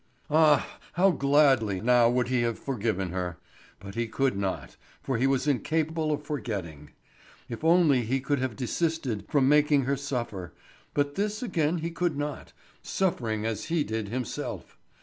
Ah! How gladly now would he have forgiven her. But he could not, for he was incapable of forgetting. If only he could have desisted from making her suffer; but this again he could not, suffering as he did himself.